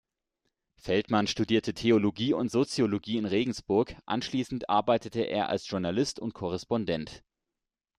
Feldmann studierte Theologie und Soziologie in Regensburg, anschließend arbeitete er als Journalist und Korrespondent.